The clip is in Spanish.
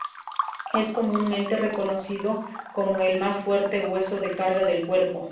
Es comúnmente reconocido como el más fuerte hueso de carga del cuerpo.